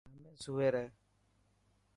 همي سوئي رهه.